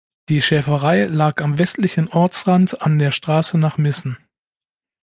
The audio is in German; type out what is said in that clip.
Die Schäferei lag am westlichen Ortsrand an der Straße nach Missen.